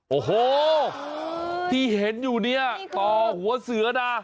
โอเหยที่เห็นอยู่นี่ต่อหัวเสือ